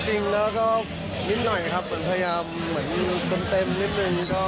จริงแล้วก็นิดหน่อยครับเหมือนพยายามเติม